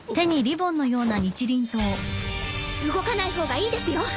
動かない方がいいですよ。